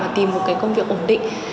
và tìm một cái công việc ổn định